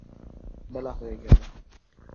বেলা হয়ে গেল।